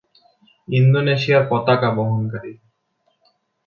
ইন্দোনেশিয়ার পতাকা বহনকারী।